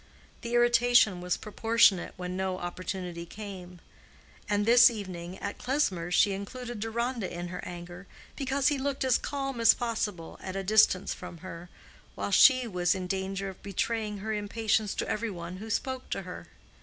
The irritation was proportionate when no opportunity came; and this evening at Klesmer's she included Deronda in her anger, because he looked as calm as possible at a distance from her, while she was in danger of betraying her impatience to every one who spoke to her.